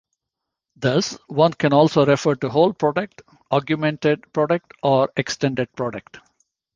Thus, one can also refer to whole product, augmented product, or extended product.